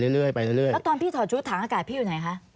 แล้วตอนพี่ถอดชุดถังอากาศพี่อยู่ไหนคะ